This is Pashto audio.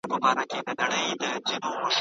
څه ډول محاکمې د خلګو باور زیاتوي؟